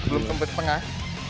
belum kembali tengah